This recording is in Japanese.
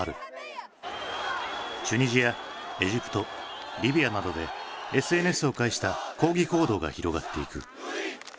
チュニジアエジプトリビアなどでＳＮＳを介した抗議行動が広がっていく。